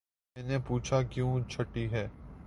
میں نے پوچھا کیوں چھٹی ہے